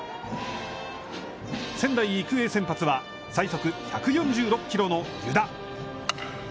仙台育英先発は、最速１４６キロの湯田。